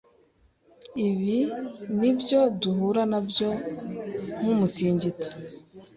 Ibi nibyo duhura nabyo nkumutingito